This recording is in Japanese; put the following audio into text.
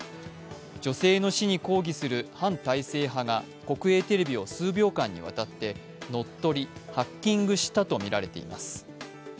女性の死に抗議する反体制派が国営テレビを数秒間にわたってのっとりハッキングしたとみられています。